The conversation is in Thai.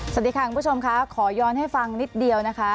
สวัสดีค่ะคุณผู้ชมค่ะขอย้อนให้ฟังนิดเดียวนะคะ